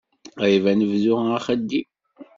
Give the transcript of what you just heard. Qrib ad nebdu axeddim.